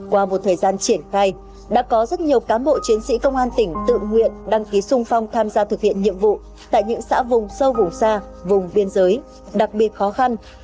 qua một thời gian triển khai đã có rất nhiều cán bộ chiến sĩ công an tỉnh tự nguyện đăng ký sung phong tham gia thực hiện nhiệm vụ tại những xã vùng sâu vùng xa vùng biên giới đặc biệt khó khăn